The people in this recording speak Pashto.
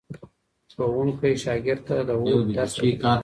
ښوونکی شاګرد ته د هوډ درس ورکوي.